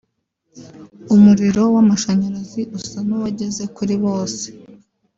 umuriro w’amashanyarazi usa n’uwageze kuri bose